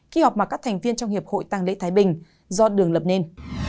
khi họp mà các thành viên trong hiệp hội tăng lễ thái bình do đường lập nên